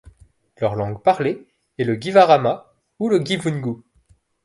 Leur langue parlée est le guivarama ou le guivoungou.